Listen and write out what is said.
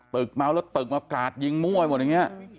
เติกเม้าแล้วเติกมากราดยิงม่วยหมดอย่างนี้